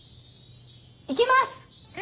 行きます！